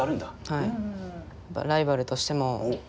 はい。